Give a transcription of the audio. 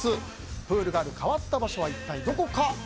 プールがある変わった場所は一体どこか。